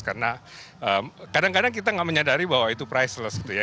karena kadang kadang kita gak menyadari bahwa itu priceless gitu ya